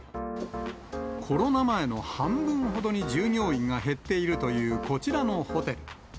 コロナ前の半分ほどに従業員が減っているという、こちらのホテル。